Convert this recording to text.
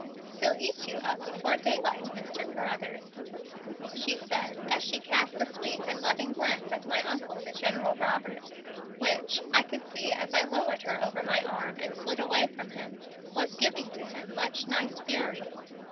"He'll eat you up before daylight, Mr. Carruthers," she said as she cast a sweet and loving glance at my Uncle, the General Robert, which, I could see as I lowered her over my arm and slid away from him, was giving to him much nice fury.